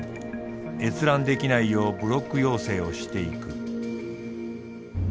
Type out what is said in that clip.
閲覧できないようブロック要請をしていく。